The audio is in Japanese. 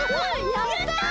やった！